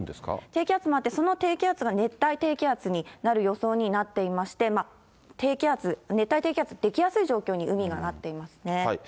低気圧もあって、その低気圧が熱帯低気圧になる予想になっていまして、低気圧、熱帯低気圧、出来やすい状況に海がなっていますね。